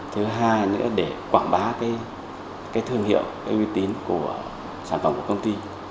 thứ hai nữa để quảng bá cái thương hiệu uy tín của sản phẩm của công ty